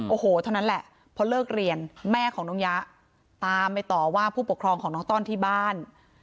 โอ้โหเท่านั้นแหละพอเลิกเรียนแม่ของน้องยะตามไปต่อว่าผู้ปกครองของน้องต้อนที่บ้าน